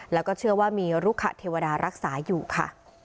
แล้วก็เชื่อว่ามีรุขเทวดารักษาอยู่ค่ะ